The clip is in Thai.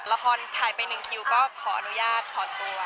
ถ่ายไป๑คิวก็ขออนุญาตขอตัว